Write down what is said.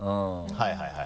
はいはいはい。